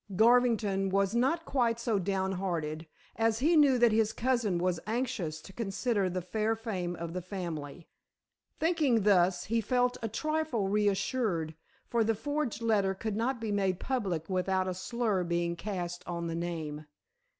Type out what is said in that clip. Garvington was not quite so downhearted, as he knew that his cousin was anxious to consider the fair fame of the family. Thinking thus, he felt a trifle reassured, for the forged letter could not be made public without a slur being cast on the name.